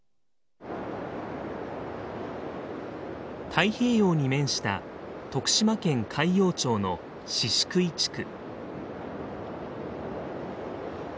太平洋に面した徳島県海陽町の宍喰地区。